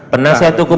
pernah saya tukuk